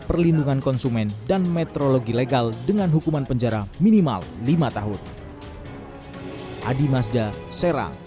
perlindungan konsumen dan meteorologi legal dengan hukuman penjara minimal lima tahun adi mazda serang